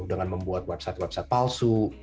dengan membuat website website palsu